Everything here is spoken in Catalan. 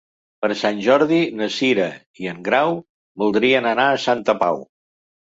Per Sant Jordi na Cira i en Grau voldrien anar a Santa Pau.